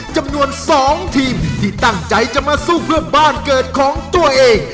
จำนวน๒ทีมที่ตั้งใจจะมาสู้เพื่อบ้านเกิดของตัวเอง